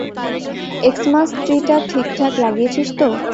Xmas ট্রি-টা ঠিকঠাক লাগিয়েছিস তো?